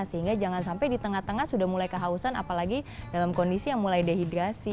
sehingga jangan sampai di tengah tengah sudah mulai kehausan apalagi dalam kondisi yang mulai dehidrasi